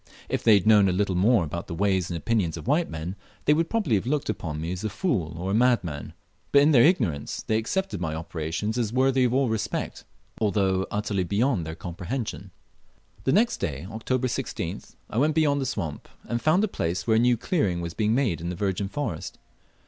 If they had known a little more about the ways and opinions of white men, they would probably have looked upon me as a fool or a madman, but in their ignorance they accepted my operations as worthy of all respect, although utterly beyond their comprehension. The next day (October 16th) I went beyond the swamp, and found a place where a new clearing was being made in the virgin forest.